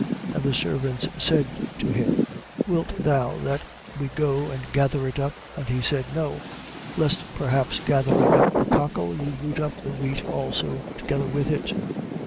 And the servants said to him: Wilt thou that we go and gather it up? 13:29. And he said: No, lest perhaps gathering up the cockle, you root up the wheat also together with it.